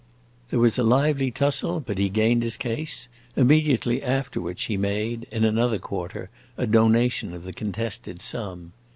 There was a lively tussle, but he gained his case; immediately after which he made, in another quarter, a donation of the contested sum.